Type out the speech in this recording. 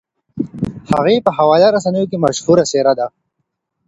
هغې په خواله رسنیو کې مشهوره څېره ده.